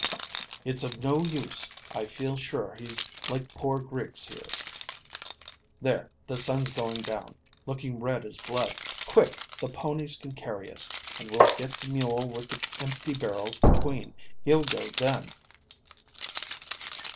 "It's of no use: I feel sure he's like poor Griggs here. There, the sun's going down, looking red as blood. Quick; the ponies can carry us, and we'll get the mule with the empty barrels between. He'll go then."